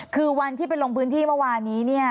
คือวันที่ไปลงพื้นที่เมื่อวานนี้เนี่ย